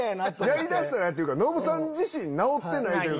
やりだしたらっていうかノブさん自身直ってない。